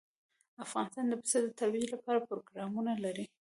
افغانستان د پسه د ترویج لپاره پروګرامونه لري.